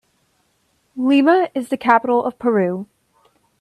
Lima is the capital of Peru.